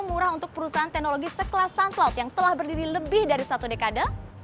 murah untuk perusahaan teknologi sekelas soundcloud yang telah berdiri lebih dari satu dekade